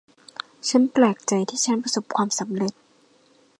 ฉันแปลกใจที่ฉันประสบความสำเร็จ